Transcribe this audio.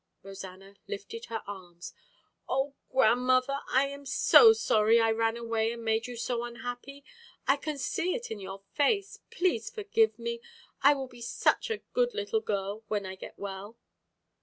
Rosanna lifted her arms. "Oh, grandmother, I am so sorry I ran away and made you so unhappy! I can see it in your face. Please forgive me! I will be such a good little girl when I get well!"